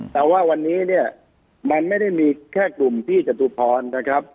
แต่ว่าวันนี้เนี่ยมันไม่ได้มีแค่กลุ่มพี่จตุพรนะครับ